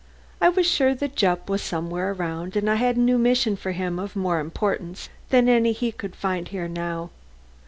I was sure that Jupp was somewhere around, and I had a new mission for him of more importance than any he could find here now.